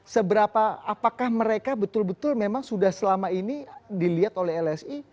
seberapa apakah mereka betul betul memang sudah selama ini dilihat oleh lsi